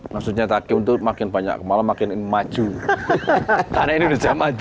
maksudnya daki untuk makin banyak bahwa makin maju hanya indonesia gi maps